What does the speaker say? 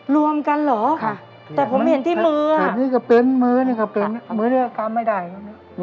ลวมกันหรอแต่ผมเห็นที่มือขั้นฟนนี้ก็เป็นมื้อนะครับมื้อกาวไม่ได้